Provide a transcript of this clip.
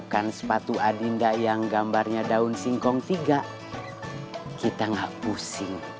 kamu kenapa nangis